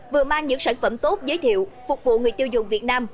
vừa mang những sản phẩm tốt giới thiệu phục vụ người tiêu dùng việt nam